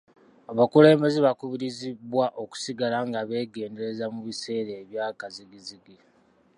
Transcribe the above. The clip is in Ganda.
Abakulembeze bakubirizibwa okusigala nga beegendereza mu biseera ebyakazzigizzigi.